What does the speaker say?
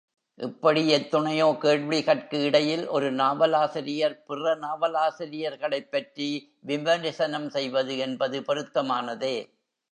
இப்படி எத்துணையோ கேள்விகட்கு இடையில் ஒரு நாவலாசிரியர் பிற நாவலாசிரியர்களைப் பற்றி விமரிசனம் செய்வது என்பது பொருத்தமானதே.